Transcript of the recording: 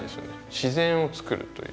自然を作るという。